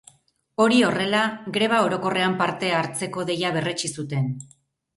Hori horrela, greba orokorrean parte hartzeko deia berretsi zuten.